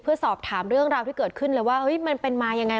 เพื่อสอบถามเรื่องราวที่เกิดขึ้นเลยว่ามันเป็นมายังไง